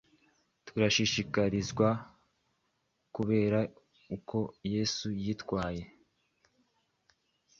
turashishikarizwa kureba uko Yesu yitwaye